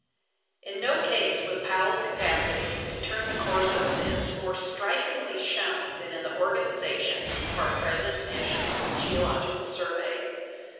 In no case was Powell's capacity to turn the course of events more strikingly shown than in the organization of our present national Geological Survey.